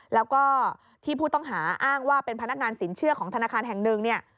แล้วก็ที่ผู้ต้องหาอ้างว่าเป็นพนักงานสินเชื่อของธนาคารแห่งหนึ่งเนี่ย